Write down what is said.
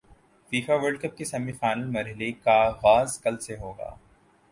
FIFA world cup کے semi final مرحلے کا غاز کل سے ہو گا